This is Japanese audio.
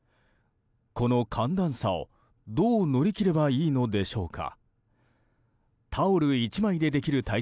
この寒暖差を、どう乗り切ればいいのでしょうか。